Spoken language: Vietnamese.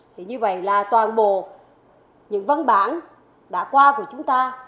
thì như vậy là toàn bộ những văn bản đã qua của chúng ta